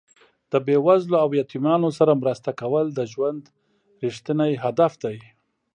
د بې وزلو او یتیمانو سره مرسته کول د ژوند رښتیني هدف دی.